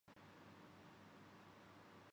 معمول کے کام فورا کرتا ہوں